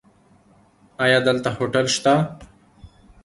ایا دلته هوټل شته؟